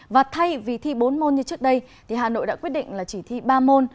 và thay vì thi bốn môn như trước đây hà nội đã quyết định chỉ thi ba môn